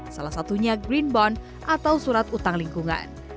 salah satunya green bond atau surat utang lingkungan